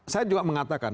saya juga mengatakan